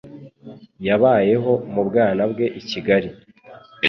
Yabayeho mu bwana bwe i Kigali.